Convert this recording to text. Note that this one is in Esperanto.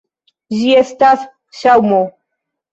Ĝi estas ŝaŭmo.